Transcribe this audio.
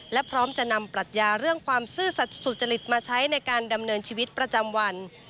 และพร้อมจะนำปรัชญาเรื่องความซื่อสัตว์สุจริตมาใช้ในการดำเนินชีวิตประจำวัน